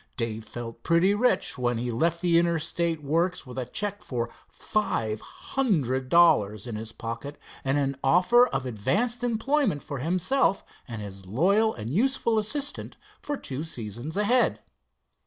Dave felt pretty rich when he left the Interstate works with a check for five hundred dollars in his pocket, and an offer of advanced employment for himself and his loyal and useful assistant for two seasons ahead.